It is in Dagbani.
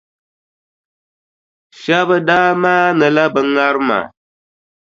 Shɛba daa maanila bɛ ŋarima.